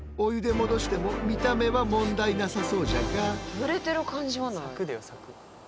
ぬれてる感じはない。